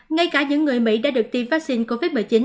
ngay cả những người mỹ đã được tiêm vaccine covid một mươi chín